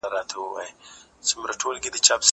کېدای سي خواړه خراب وي!